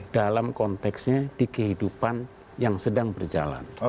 dalam konteksnya di kehidupan yang sedang berjalan